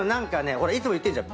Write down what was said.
いつも言ってんじゃん。